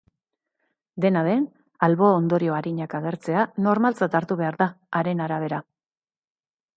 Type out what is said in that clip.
Dena den, albo-ondorio arinak agertzea normaltzat hartu behar da, haren arabera.